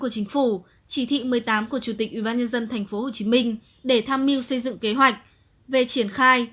của chính phủ chỉ thị một mươi tám của chủ tịch ubnd tp hồ chí minh để tham mưu xây dựng kế hoạch về triển khai